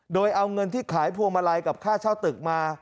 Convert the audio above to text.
โดยเอาเงินที่ขายพวงมาลัยกับค่าเช่าตึกมา